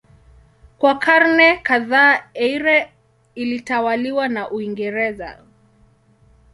Kwa karne kadhaa Eire ilitawaliwa na Uingereza.